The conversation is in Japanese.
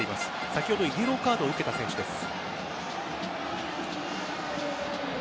先ほどイエローカードを受けた選手です。